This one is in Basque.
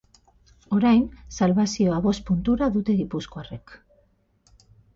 Orain, salbazioa bost puntura dute gipuzkoarrek.